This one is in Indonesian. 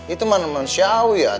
itu manusiawi ya